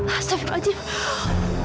astagfirullahaladzim ya allah